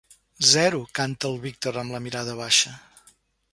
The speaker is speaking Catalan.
Zero —canta el Víctor, amb la mirada baixa.